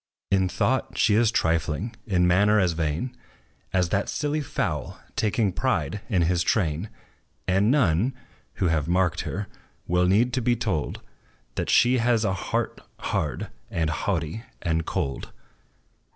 In thought she is trifling in manner as vain As that silly fowl, taking pride in his train; And none, who have marked her, will need to be told That she has a heart hard, and haughty, and cold.